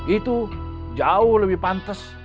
itu jauh lebih pantas